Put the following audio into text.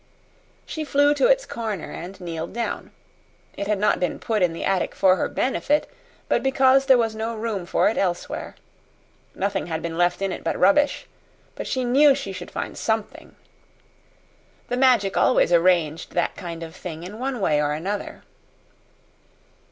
She flew to its corner and kneeled down. It had not been put in the attic for her benefit, but because there was no room for it elsewhere. Nothing had been left in it but rubbish. But she knew she should find something. The Magic always arranged that kind of thing in one way or another.